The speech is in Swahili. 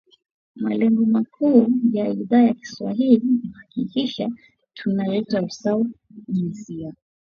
Malengo makuu ya Idhaa ya kiswahili ni kuhakikisha tuna leta usawa wa jinsia